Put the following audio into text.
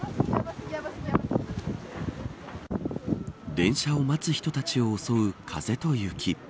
電車を待つ人たちを襲う風と雪。